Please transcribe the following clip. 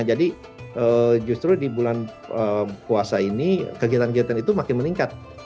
jadi justru di bulan puasa ini kegiatan kegiatan itu makin meningkat